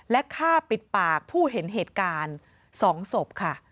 และฆ่าปิดปากผู้เห็นเหตุการณ์๒ศพค่ะ